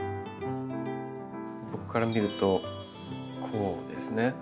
僕から見るとこうですね。